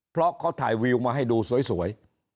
เพราะเขาถ่ายวิวมาให้ดูสวย